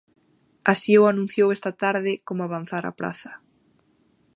Así o anunciou esta tarde, como avanzara Praza.